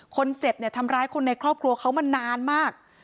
คนเจ็บเนี่ยทำร้ายคนในครอบครัวเขามานานมาก